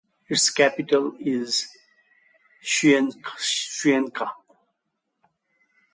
Its capital is Cuenca.